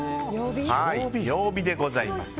曜日でございます。